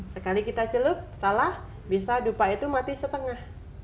sekali kita celup salah bisa dupa itu mati setengah